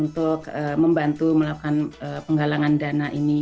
untuk membantu melakukan penggalangan dana ini